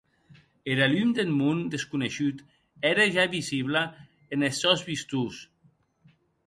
Era lum deth mon desconeishut ère ja visibla enes sòns vistons.